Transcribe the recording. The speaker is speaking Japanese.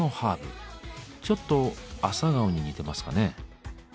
ちょっとアサガオに似てますかね。